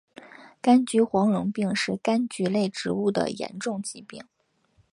柑橘黄龙病是柑橘类植物的严重疾病。